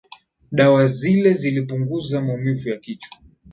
Dawa zile zilipunguza maumivu ya kichwa